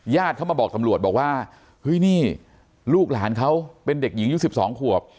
เข้ามาบอกตำรวจบอกว่าเฮ้ยนี่ลูกหลานเขาเป็นเด็กหญิงอายุ๑๒ขวบ